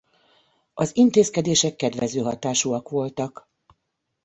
Az intézkedések kedvező hatásúak voltak.